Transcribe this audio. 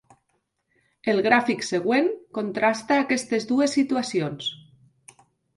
El gràfic següent contrasta aquestes dues situacions.